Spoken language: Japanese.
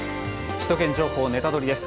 「首都圏情報ネタドリ！」です。